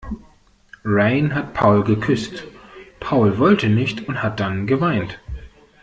Rayen hat Paul geküsst, Paul wollte nicht und hat dann geweint.